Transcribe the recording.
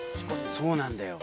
そうなんだよ。